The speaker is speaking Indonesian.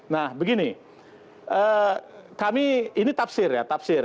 nah begini kami ini tafsir ya tafsir